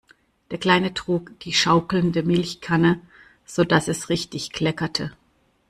Der Kleine trug die schaukelnde Milchkanne, sodass es richtig kleckerte.